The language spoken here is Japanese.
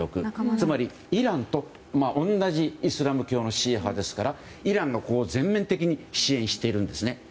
つまり、イランと同じイスラム教のシーア派ですからイランが全面的に支援しているんですね。